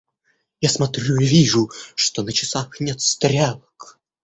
Я смотрю и вижу, что на часах нет стрелок.